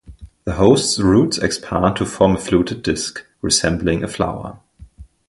The host's roots expand to form a fluted disk, resembling a flower.